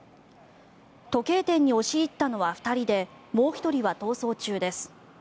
時計店に押し入ったのは２人でもう１人は逃走中です。